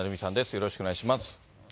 よろしくお願いします。